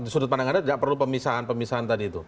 sudut pandang anda tidak perlu pemisahan pemisahan tadi itu